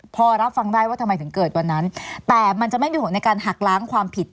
พอรับฟังได้ว่าทำไมถึงเกิดวันนั้นแต่มันจะไม่มีผลในการหักล้างความผิด